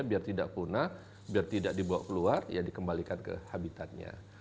biar tidak punah biar tidak dibawa keluar ya dikembalikan ke habitatnya